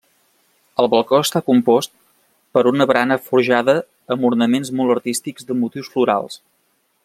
El balcó està compost per una barana forjada amb ornaments molt artístics de motius florals.